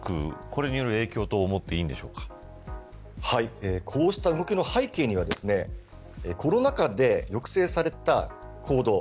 これによる影響と思ってこうした動きの背景にはコロナ禍で抑制された行動。